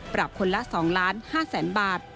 ปรับคนละ๒๕๐๐๐๐๐บาท